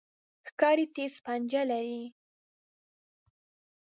ښکاري تیز پنجې لري.